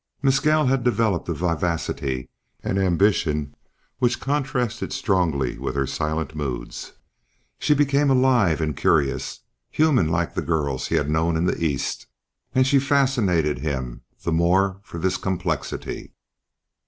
Mescal had developed a vivacity, an ambition which contrasted strongly with her silent moods; she became alive and curious, human like the girls he had known in the East, and she fascinated him the more for this complexity.